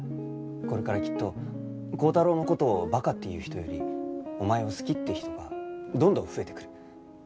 これからきっと高太郎の事をバカって言う人よりお前を好きって人がどんどん増えてくる。